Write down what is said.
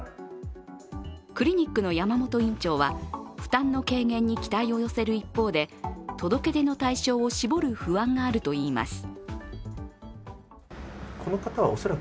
クリニックの山本院長は、負担の軽減に期待を寄せる一方で届け出の対象を絞る不安があるといいます。